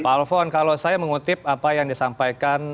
pak alfon kalau saya mengutip apa yang disampaikan